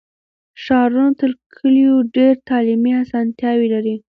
ښارونه تر کلیو ډېر تعلیمي اسانتیاوې لري.